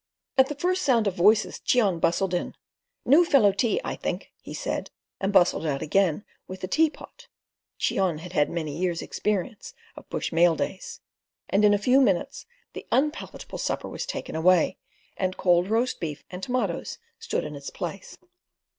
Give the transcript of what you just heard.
At the first sound of voices, Cheon bustled in. "New fellow tea, I think," he said, and bustled out again with the teapot (Cheon had had many years' experience of bush mail days), and in a few minutes the unpalatable supper was taken away, and cold roast beef and tomatoes stood in its place.